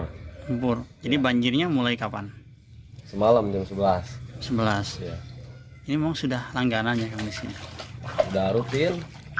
hai tempur jadi banjirnya mulai kapan semalam sebelas sebelas ini mau sudah langganan ya kemiskin darutin